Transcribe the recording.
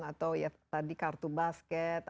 atau ya tadi kartu basket